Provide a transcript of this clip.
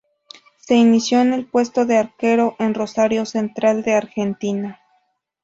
Se inició en el puesto de arquero en Rosario Central de Argentina.